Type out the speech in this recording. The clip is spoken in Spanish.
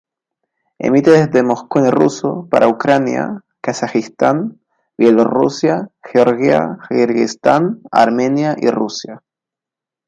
Emite desde Moscú en ruso para Ucrania, Kazajistán, Bielorrusia, Georgia, Kirguistán, Armenia y Rusia.